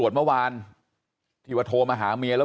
บอกแล้วบอกแล้วบอกแล้วบอกแล้ว